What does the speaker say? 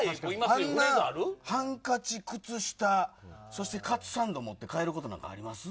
あんなハンカチ、靴下そしてカツサンド持って帰ることなんてあります。